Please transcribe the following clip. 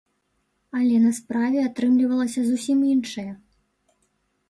Але на справе атрымлівалася зусім іншае.